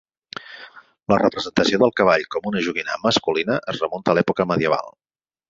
La representació del cavall com una joguina masculina es remunta a l'època medieval.